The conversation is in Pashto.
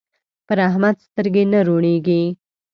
پر احمد سترګې نه روڼېږي.